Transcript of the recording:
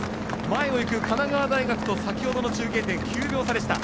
前を行く神奈川大学と先ほどの中継点、９秒差でした。